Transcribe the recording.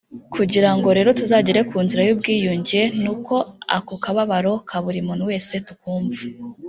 Kugirango lero tuzagere ku nzira y’ubwiyunge nuko ako kababaro ka buli muntu wese tukumva